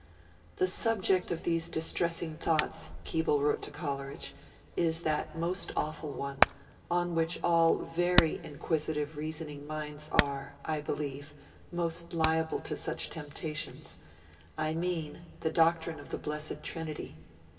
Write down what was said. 'The subject of these distressing thoughts,' Keble wrote to Coleridge, 'is that most awful one, on which all very inquisitive reasoning minds are, I believe, most liable to such temptations I mean, the doctrine of the blessed Trinity.